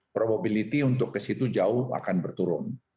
probability untuk kesitu jauh akan berturun